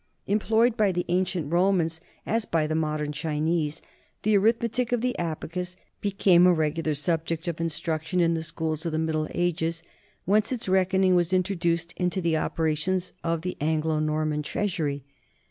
Employed by the ancient Romans, as by the modern Chinese, the arithmetic of the abacus be came a regular subject of instruction in the schools of the Middle Ages, whence its reckoning was introduced into the operations of the Anglo Norman treasury.